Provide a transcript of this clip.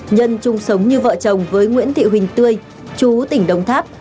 nhân chung sống như vợ chồng với nguyễn thị huỳnh tươi chú tỉnh đồng tháp